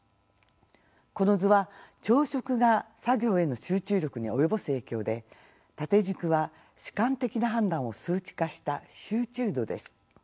この図は朝食が作業への集中力に及ぼす影響で縦軸は主観的な判断を数値化した集中度です。